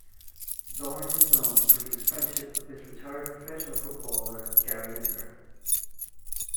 Thorne is known for his friendship with retired professional footballer Gary Lineker.